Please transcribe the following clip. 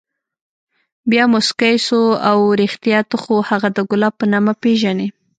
بيا موسكى سو اوه رښتيا ته خو هغه د ګلاب په نامه پېژنې.